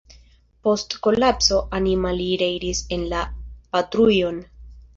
Post kolapso anima li reiris en la patrujon.